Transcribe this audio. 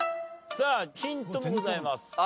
さあヒントもございます。